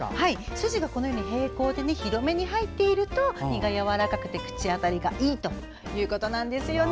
筋が平行で広めに入っていると身がやわらかくて口当たりがいいということです。